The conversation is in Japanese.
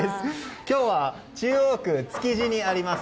今日は中央区築地にあります